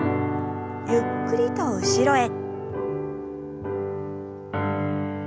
ゆっくりと後ろへ。